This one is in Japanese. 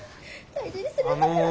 大事にするんだから。